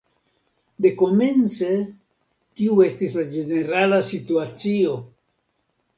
Dekomence tiu estis la ĝenerala situacio.